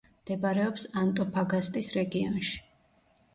მდებარეობს ანტოფაგასტის რეგიონში.